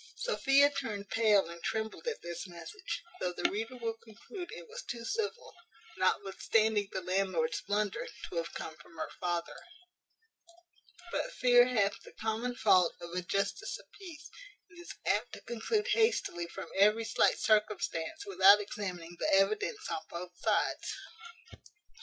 Sophia turned pale and trembled at this message, though the reader will conclude it was too civil, notwithstanding the landlord's blunder, to have come from her father; but fear hath the common fault of a justice of peace, and is apt to conclude hastily from every slight circumstance, without examining the evidence on both sides.